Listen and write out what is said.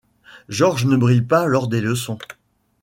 Georges ne brille pas lors des leçons.